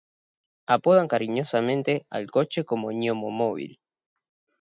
Apodan cariñosamente al coche como el Gnomo-móvil.